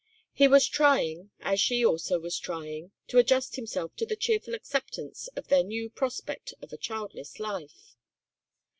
He was trying, as she also was trying, to adjust himself to the cheerful acceptance of their new prospect of a childless life.